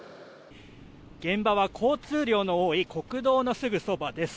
現場は交通量の多い国道のすぐそばです。